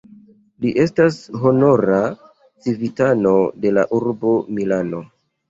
Li estas honora civitano de la urbo Milano.